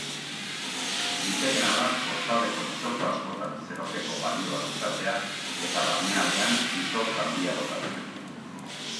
Litekeena da kostaldeko txoko askotan zeropeko balioak izatea eta barnealdean izotz handia botatzea.